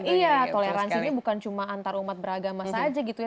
iya toleransi ini bukan cuma antar umat beragama saja gitu ya